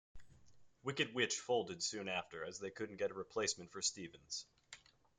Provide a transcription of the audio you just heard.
Wicked Witch folded soon after, as they couldn't get a replacement for Stevens.